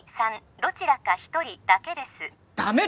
どちらか一人だけですダメだ！